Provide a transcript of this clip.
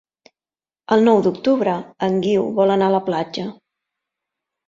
El nou d'octubre en Guiu vol anar a la platja.